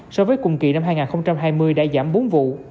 so với cùng kỳ năm hai nghìn hai mươi đã giảm bốn vụ